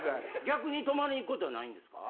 逆に泊まりに行くことはないんですか？